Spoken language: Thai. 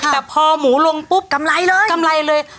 แต่พอหมูลงปุ๊บกำไรเลย